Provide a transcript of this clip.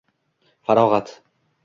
Farog’at.